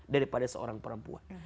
daripada seorang perempuan